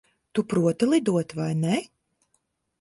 Tu proti lidot, vai ne?